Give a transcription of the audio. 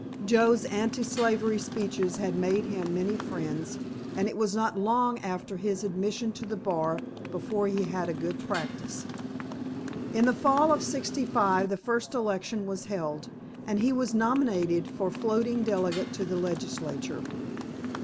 Joe's anti slavery speeches had made him many friends, and it was not long after his admission to the bar before he had a good practice. In the fall of '65 the first election was held, and he was nominated for floating delegate to the legislature.